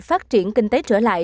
phát triển kinh tế trở lại